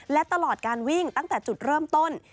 และตลอดการวิ่งตั้งแต่จุดเริ่มต้น